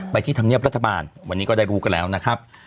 ที่ธรรมเนียบรัฐบาลวันนี้ก็ได้รู้กันแล้วนะครับ